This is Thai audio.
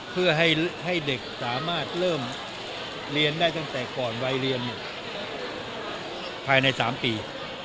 เพื่อให้เด็กสามารถเริ่มเรียนได้ตั้งแต่ก่อนวัยเรียนภายใน๓ปี